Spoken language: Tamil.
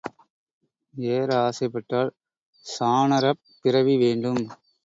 ஏற ஆசைப்பட்டால் சாணாரப் பிறவி வேண்டும்.